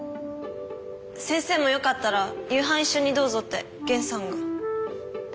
先生もよかったら夕飯一緒にどうぞって源さんが。